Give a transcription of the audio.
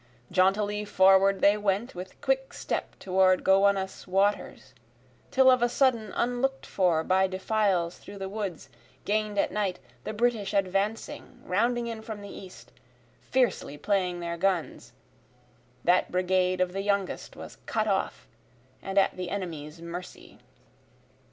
Jauntily forward they went with quick step toward Gowanus' waters, Till of a sudden unlook'd for by defiles through the woods, gain'd at night, The British advancing, rounding in from the east, fiercely playing their guns, That brigade of the youngest was cut off and at the enemy's mercy.